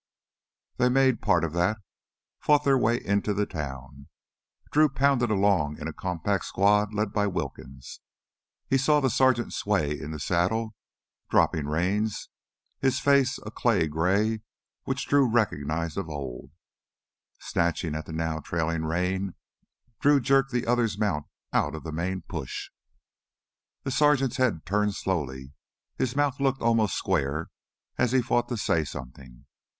They made part of that ... fought their way into the town. Drew pounded along in a compact squad led by Wilkins. He saw the sergeant sway in the saddle, dropping reins, his face a clay gray which Drew recognized of old. Snatching at the now trailing rein, Drew jerked the other's mount out of the main push. The sergeant's head turned slowly; his mouth looked almost square as he fought to say something.